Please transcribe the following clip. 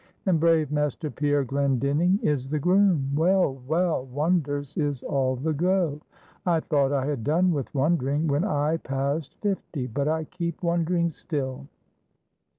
And brave Master Pierre Glendinning is the groom! Well, well, wonders is all the go. I thought I had done with wondering when I passed fifty; but I keep wondering still.